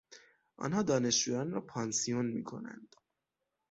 آنها دانشجویان را پانسیون میکنند.